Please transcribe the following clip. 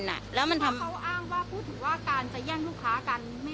แล้วมันทำเขาอ้างว่าพูดถึงว่าการจะแย่งลูกค้ากัน